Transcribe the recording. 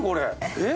えっ？